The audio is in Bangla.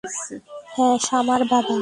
হ্যাঁ শামার বাবা।